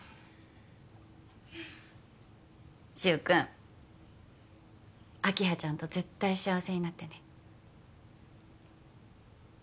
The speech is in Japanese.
柊君明葉ちゃんと絶対幸せになってね